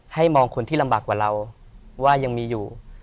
มองคนที่ลำบากกว่าเราว่ายังมีอยู่